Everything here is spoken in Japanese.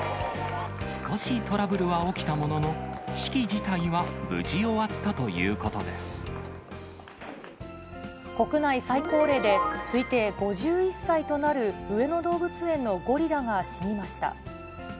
少しトラブルは起きたものの、式自体は無事、終わったというこ国内最高齢で、推定５１歳となる上野動物園のゴリラが死にました。